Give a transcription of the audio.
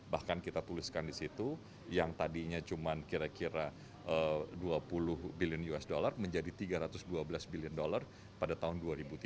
bahkan kita tuliskan di situ yang tadinya cuma kira kira dua puluh billion usd menjadi tiga ratus dua belas bilion dollar pada tahun dua ribu tiga puluh